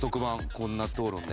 こんな討論で。